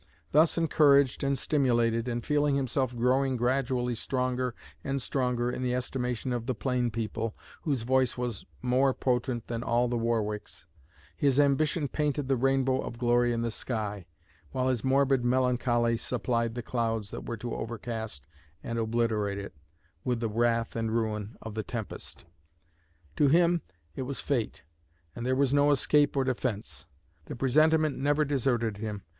Thus encouraged and stimulated, and feeling himself growing gradually stronger and stronger in the estimation of 'the plain people' whose voice was more potent than all the Warwicks, his ambition painted the rainbow of glory in the sky, while his morbid melancholy supplied the clouds that were to overcast and obliterate it with the wrath and ruin of the tempest. To him it was fate, and there was no escape or defense. The presentiment never deserted him.